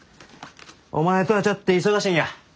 お前とはちゃって忙しいんや。